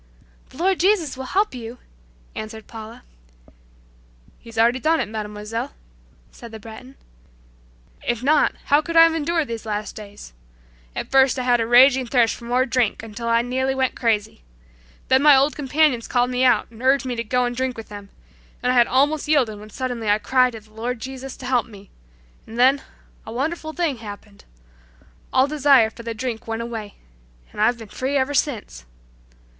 "The Lord Jesus will help you," answered Paula. "He's already done it, Mademoiselle," said the Breton. "If not, how could I have endured these last days. At first I had a raging thirst for more drink until I nearly went crazy. Then my old companions called me out and urged me to go and drink with them, and I had almost yielded when suddenly I cried to the Lord Jesus to help me, and then a wonderful thing happened! All desire for the drink went away, and I've been free ever since!